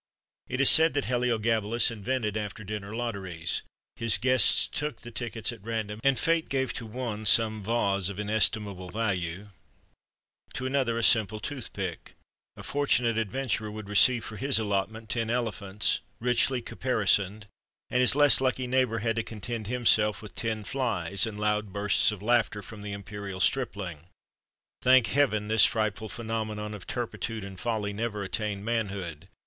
It is said that Heliogabalus invented after dinner lotteries: his guests took the tickets at random, and fate gave to one some vase of inestimable value, to another a simple toothpick; a fortunate adventurer would receive for his allotment ten elephants, richly caparisoned, and his less lucky neighbour had to content himself with ten flies, and loud bursts of laughter from the imperial stripling. Thank Heaven! this frightful phenomenon of turpitude and folly never attained manhood.